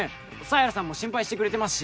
犀原さんも心配してくれてますし。